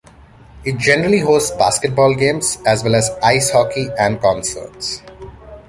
It generally hosts basketball games, as well as ice hockey and concerts.